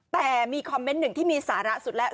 แต่มีคอมเมนต์หนึ่งที่มีสาระสุดแล้ว